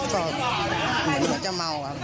ก็ผมก็จะเมาครับ